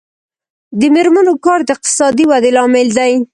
د میرمنو کار د اقتصادي ودې لامل دی.